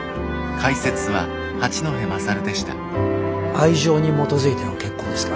愛情に基づいての結婚ですか？